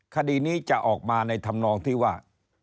คดีนี้จะออกมาในธรรมนองที่ว่า